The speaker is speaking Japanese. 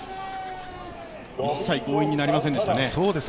一切強引になりませんでしたね。